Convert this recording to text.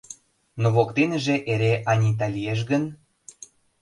Но воктенже эре Анита лиеш гын?